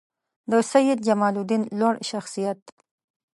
د سیدجمالدین لوړ شخصیت